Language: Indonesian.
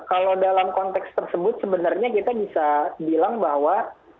kalau dalam konteks tersebut sebenarnya kita bisa bilang bahwa